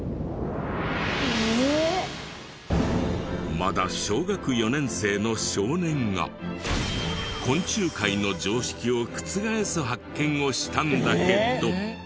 まだ小学４年生の少年が昆虫界の常識を覆す発見をしたんだけど。